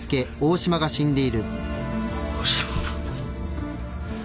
大島？